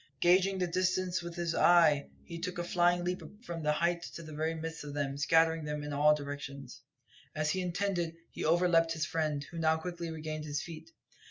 Gauging the distance with his eye, he took a flying leap from this height into the very midst of them, scattering them in all directions. As he intended, he overleapt his friend, who now quickly regained his feet.